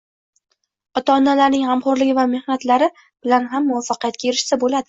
ota-onalarning g‘amxo‘rligi va mehnatlari bilan ham muvaffaqiyatga erishsa bo‘ladi.